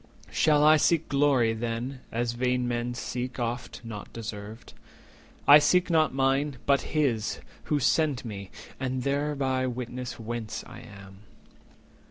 Shall I seek glory, then, as vain men seek, Oft not deserved? I seek not mine, but His Who sent me, and thereby witness whence I am."